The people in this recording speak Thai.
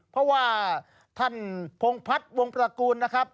เพราะว่าท่านพงพัฒน์วงตระกูลนะครับ